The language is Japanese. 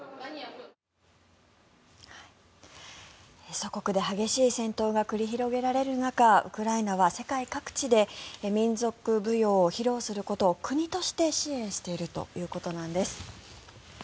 祖国で激しい戦闘が繰り広げられる中ウクライナは世界各地で民族舞踊を披露することを国として支援しているということなんです。